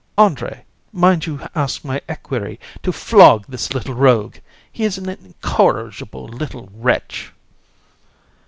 Andrée, mind you ask my equerry to flog this little rogue. He is an incorrigible little wretch.